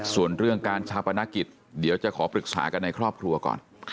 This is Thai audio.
ส่วนเรื่องการชาปนกิจเดี๋ยวจะขอปรึกษากันในครอบครัวก่อน